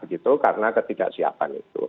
gitu karena ketidaksiapan itu